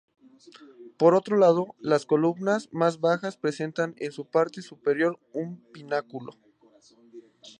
Por otro lado, las columnas más bajas presentan en su parte superior un pináculo.